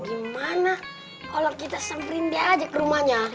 gimana kalau kita semprin dia aja ke rumahnya